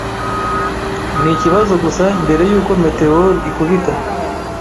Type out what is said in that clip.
Ni ikibazo gusa mbere yuko meteor ikubita.